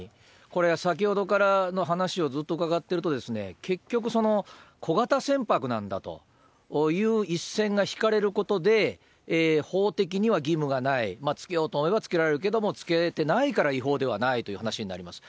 これ、先ほどからの話をずっと伺っていると、結局小型船舶なんだという一線が引かれることで、法的には義務がない、つけようと思えばつけられるけど、つけてないから違法ではないという話になります。